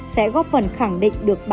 sẽ góp phần khẳng định được tham gia